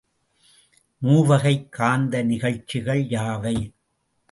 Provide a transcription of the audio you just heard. மூவகைக் காந்த நிகழ்ச்சிகள் யாவை?